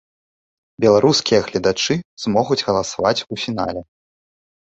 Беларускія гледачы змогуць галасаваць у фінале.